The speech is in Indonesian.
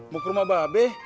mau ke rumah mbak be